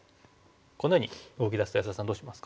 このように動き出すと安田さんどうしますか？